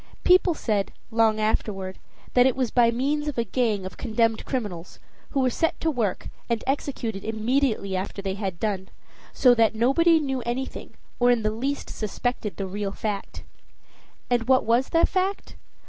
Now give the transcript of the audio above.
People said, long afterward, that it was by means of a gang of condemned criminals, who were set to work, and executed immediately after they had done, so that nobody knew anything, or in the least suspected the real fact. And what was the fact?